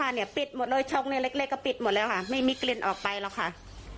เพราะว่าเป็นเรื่องในบ้านก็ต้องถ่ายอยู่ไว้ค่ะ